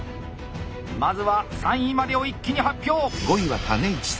まずは３位までを一気に発表。